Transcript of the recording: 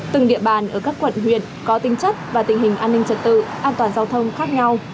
từng địa bàn ở các quận huyện có tính chất và tình hình an ninh trật tự an toàn giao thông khác nhau